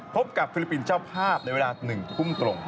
พบกับฟิลิปปินส์เจ้าภาพในเวลา๑ทุ่มตรง